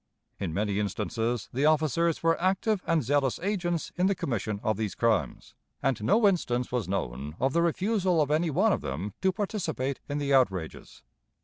In many instances the officers were active and zealous agents in the commission of these crimes, and no instance was known of the refusal of any one of them to participate in the outrages.